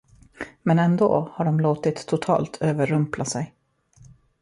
Men ändå har de låtit totalt överrumpla sig.